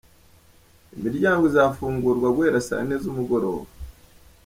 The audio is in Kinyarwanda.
Imiryango izafungurwa guhera saa yine z’umugoroba.